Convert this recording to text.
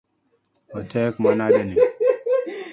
Otek manade ni